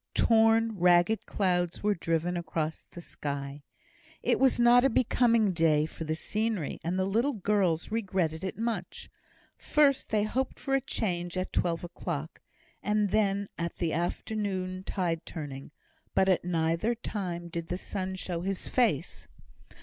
Torn, ragged clouds were driven across the sky. It was not a becoming day for the scenery, and the little girls regretted it much. First they hoped for a change at twelve o'clock, and then at the afternoon tide turning. But at neither time did the sun show his face.